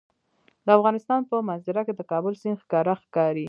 د افغانستان په منظره کې د کابل سیند ښکاره ښکاري.